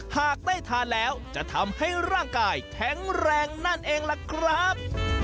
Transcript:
หากได้ทานแล้วจะทำให้ร่างกายแข็งแรงนั่นเองล่ะครับ